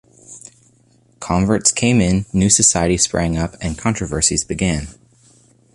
Converts came in, new societies sprang up, and controversies began.